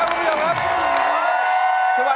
สวัสดีครับคุณผู้ชมครับ